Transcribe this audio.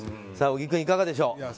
小木君、いかがでしょう。